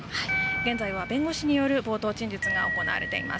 現在は弁護士による冒頭陳述が行われています。